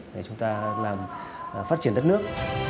để chúng ta làm phát triển đất nước